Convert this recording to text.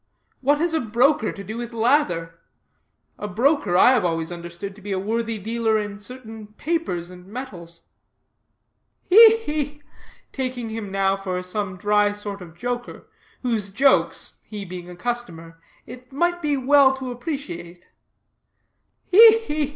What has a broker to do with lather? A broker I have always understood to be a worthy dealer in certain papers and metals." "He, he!" taking him now for some dry sort of joker, whose jokes, he being a customer, it might be as well to appreciate, "he, he!